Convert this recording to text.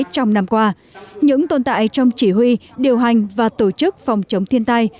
trong năm qua những tồn tại trong chỉ huy điều hành và tổ chức phòng chống thiên tai